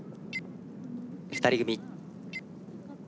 ２人組。